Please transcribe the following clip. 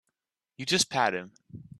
You just pat him.